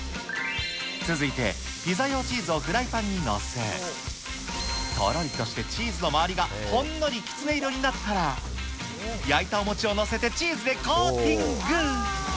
続いて、ピザ用チーズをフライパンに載せ、とろりとしてチーズの周りがほんのりキツネ色になったら、焼いたお餅を載せてチーズでコーティング。